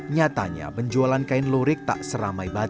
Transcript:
nyatanya penjualan kain lurik tak seramai batu